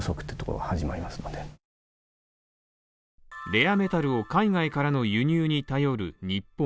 レアメタルを海外からの輸入に頼る日本。